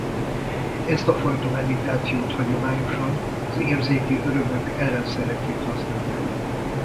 Ezt a fajta meditációt hagyományosan az érzéki örömök ellenszereként használják.